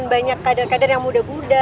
banyak keadaan keadaan yang muda muda